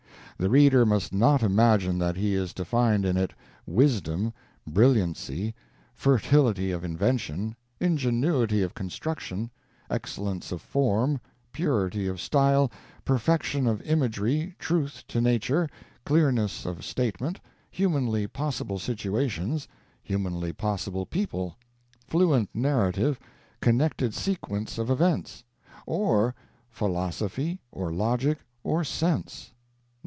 The reader must not imagine that he is to find in it wisdom, brilliancy, fertility of invention, ingenuity of construction, excellence of form, purity of style, perfection of imagery, truth to nature, clearness of statement, humanly possible situations, humanly possible people, fluent narrative, connected sequence of events or philosophy, or logic, or sense.